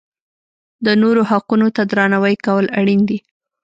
د نورو حقونو ته درناوی کول اړین دي.